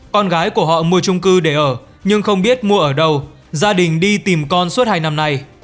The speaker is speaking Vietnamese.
con gái của họ mua trung cư để ở nhưng không biết mua ở đâu gia đình đi tìm con suốt hai năm nay